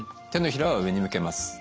手のひらは上に向けます。